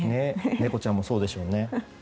猫ちゃんもそうですもんね。